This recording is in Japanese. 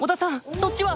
そっちは。